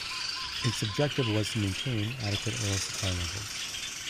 Its objective was to maintain adequate oil supply levels.